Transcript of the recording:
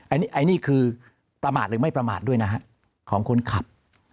อันนี้คือประมาทหรือไม่ประมาทด้วยนะฮะของคนขับ